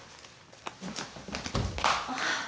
あっ。